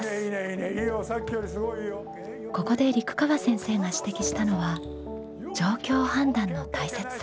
ここで陸川先生が指摘したのは状況判断の大切さ。